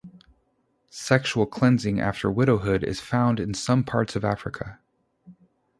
Sexual cleansing after widowhood is found in some parts of Africa.